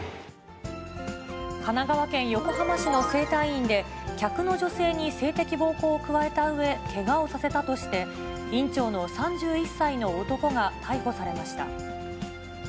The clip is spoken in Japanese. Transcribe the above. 神奈川県横浜市の整体院で、客の女性に性的暴行を加えたうえ、けがをさせたとして、院長の３１歳の男が逮捕されました。